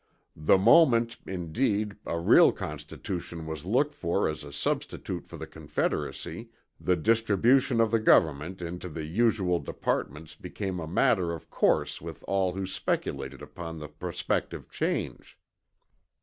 The moment, indeed, a real constitution was looked for as a substitute for the Confederacy, the distribution of the Government into the usual departments became a matter of course with all who speculated upon the prospective change."